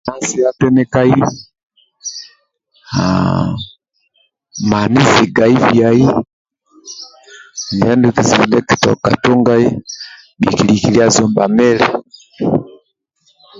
Nsia nsia tinikai haaa mani zigai biai injo andulu kizibu ndie kikitoka tungai bhikilikilia zomba mili